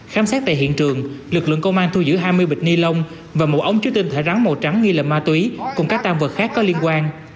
khám xét tại hiện trường lực lượng công an thu giữ hai mươi bịch ni lông và một ống chứa tinh thể rắn màu trắng nghi là ma túy cùng các tam vật khác có liên quan